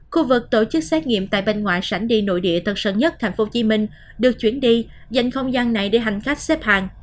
khu vực tổ chức xét nghiệm tại bên ngoại sảnh đi nội địa tân sơn nhất tp hcm được chuyển đi dành không gian này để hành khách xếp hàng